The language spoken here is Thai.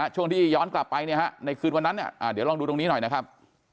ช่วงที่ย้อนกลับไปในคืนวันนั้นเดี๋ยวลองดูตรงนี้หน่อยนะครับ